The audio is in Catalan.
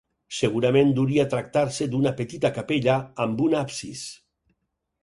Segurament duria tractar-se d'una petita capella amb un absis.